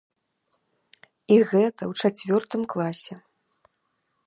І гэта ў чацвёртым класе.